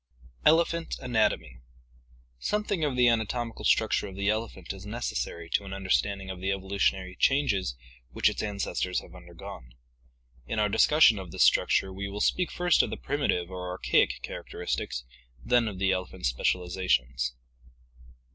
ELEPHANT ANATOMY Something of the anatomical structure of the elephant is neces sary to an understanding of the evolutionary changes which its ancestors have undergone. In our discussion of this structure we will speak first of the primitive or archaic characteristics, then of the elephant's specializations.